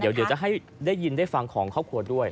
เดี๋ยวจะให้ได้ยินได้ฟังของครอบครัวด้วย